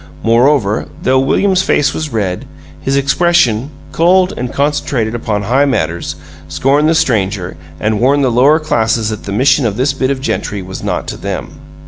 Moreover, though William's face was red, his expression cold, and concentrated upon high matters scorned the stranger, and warned the lower classes that the mission of this bit of gentry was not to them.